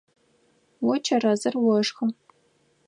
О чэрэзыр ошхы.